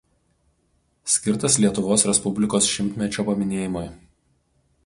Skirtas Lietuvos Respublikos šimtmečio paminėjimui.